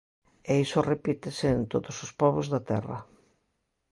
E iso repítese en todos os pobos da terra.